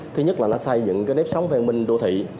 thứ nhất là nó xây dựng nếp sóng vang minh đô thị